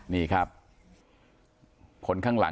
ซ้าฮะ